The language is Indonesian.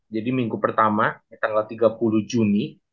jadi minggu pertama tanggal tiga puluh juni